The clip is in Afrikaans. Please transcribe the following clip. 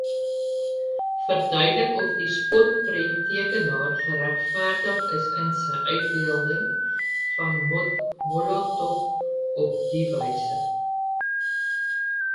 Verduidelik of die spotprenttekenaar geregverdig is in sy uitbeelding van Molotov op dié wyse.